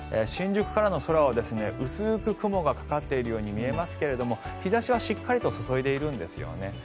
新宿からの空は薄く雲がかかっているように見えますが日差しはしっかりと注いでいるんですよね。